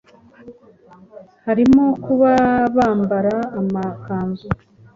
harimo kuba bambara amakanzu